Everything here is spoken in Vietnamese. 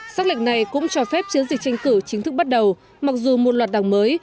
xác lệnh này cũng cho phép chiến dịch tranh cử chính thức bắt đầu mặc dù một loạt đảng mới